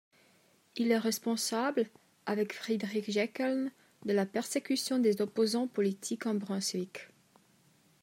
Il est responsable, avec Friedrich Jeckeln, de la persécution des opposants politiques en Brunswick.